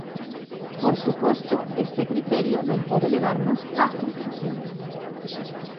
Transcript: Por suposto, este criterio non pode levarnos á confusión.